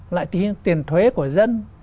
lại xin tiền thuế của dân